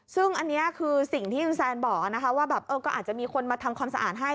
ซึ่งอันนี้คือสิ่งที่คุณแซนบอกว่าแบบก็อาจจะมีคนมาทำความสะอาดให้